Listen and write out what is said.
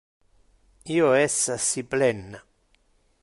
Io es assi plen.